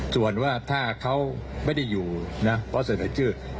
ส่วนว่าถ้าเขาไม่ได้อยู่นะเพราะเสนอชื่อ